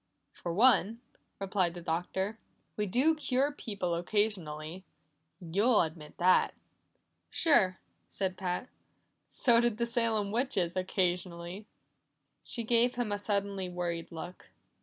"For one," replied the Doctor, "we do cure people occasionally. You'll admit that." "Sure," said Pat. "So did the Salem witches occasionally." She gave him a suddenly worried look.